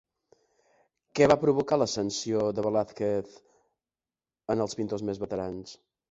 Què va provocar l'ascensió de Velázquez en els pintors més veterans?